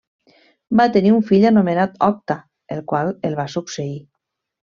Va tenir un fill anomenat Octa, el qual el va succeir.